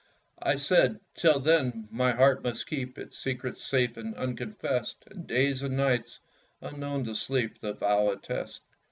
I said "Till then my heart must keep Its secrets safe and unconfest;" And days and nights unknown to sleep The vow attest.